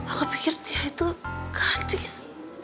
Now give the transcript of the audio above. aku pikir dia itu gadis